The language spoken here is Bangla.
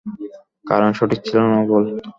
কারণ সঠিক ছিল না ভুল?